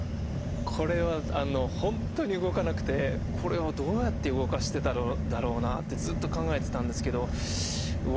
これはあの本当に動かなくてこれはどうやって動かしてたんだろうなってずっと考えてたんですけど動かなくて。